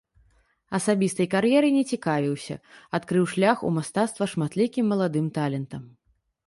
Асабістай кар'ерай не цікавіўся, адкрыў шлях у мастацтва шматлікім маладым талентам.